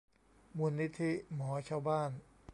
มูลนิธิหมอชาวบ้าน